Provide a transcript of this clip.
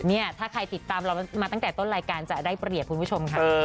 เนี่ยถ้าใครติดตามเรามาตั้งแต่ต้นรายการจะได้เปรียบคุณผู้ชมค่ะ